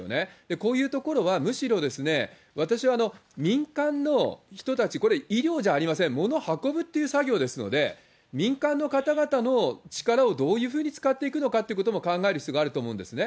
こういうところは、むしろ私は民間の人たち、これ、医療じゃありません、物運ぶっていう作業ですので、民間の方々の力をどういうふうに使っていくのかということも考える必要があると思うんですね。